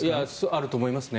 あると思いますね。